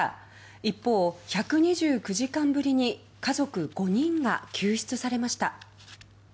一方、１２９時間ぶりに家族５人が救出されました。